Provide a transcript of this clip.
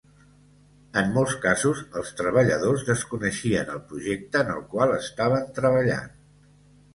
En molts casos els treballadors desconeixien el projecte en el qual estaven treballant.